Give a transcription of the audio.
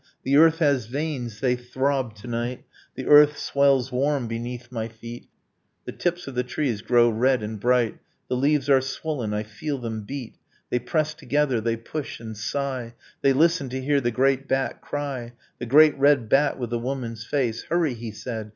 . The earth has veins: they throb to night, The earth swells warm beneath my feet, The tips of the trees grow red and bright, The leaves are swollen, I feel them beat, They press together, they push and sigh, They listen to hear the great bat cry, The great red bat with the woman's face ... Hurry! he said.